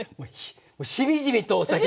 しみじみとお酒の話。